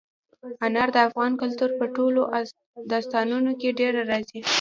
انار د افغان کلتور په ټولو داستانونو کې ډېره راځي.